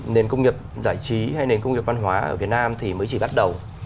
nền công nghiệp giải trí hay nền công nghiệp văn hóa ở việt nam thì mới chỉ bắt đầu